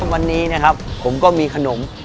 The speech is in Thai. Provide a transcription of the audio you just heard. วันนี้นะครับผมก็มีขนม